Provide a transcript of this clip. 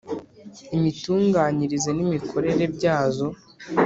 Imitunganyirize n’imikorere byazo.